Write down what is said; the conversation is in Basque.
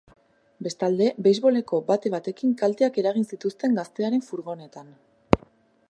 Bestalde, beisboleko bate batekin kalteak eragin zituzten gaztearen furgonetan.